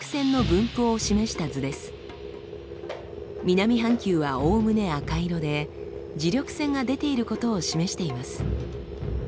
南半球はおおむね赤色で磁力線が出ていることを示しています。